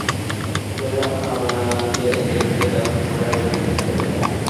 ধরে রাখ আমাকে দেখতে দাও, নোরা, ওদিকে সরে যাও।